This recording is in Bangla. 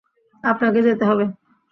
আপনাকে যেতে হবে।